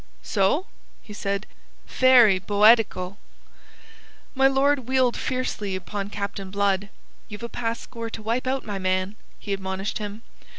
"So!" he said. "Fery boedical!" My lord wheeled fiercely upon Captain Blood. "You've a past score to wipe out, my man!" he admonished him.